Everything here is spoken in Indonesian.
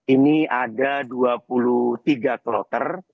ini ada dua puluh tiga kloter